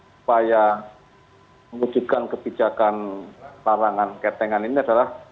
supaya mengujukan kebijakan barangan ketengan ini adalah